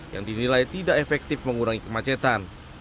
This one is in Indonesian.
yang dinilai tidak efektif mengurangi kemacetan